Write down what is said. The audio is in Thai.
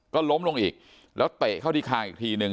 ก็ล้มลงอีกแล้วเตะเข้าที่คางอีกทีนึง